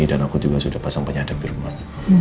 dan aku juga sudah pasang penyadap di rumah